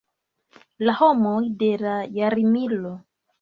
La homoj de la jarmilo.